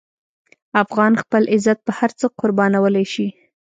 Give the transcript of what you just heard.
افغان خپل عزت په هر څه قربانولی شي.